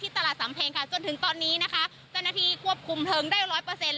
ตลาดสำเพงค่ะจนถึงตอนนี้นะคะเจ้าหน้าที่ควบคุมเพลิงได้ร้อยเปอร์เซ็นต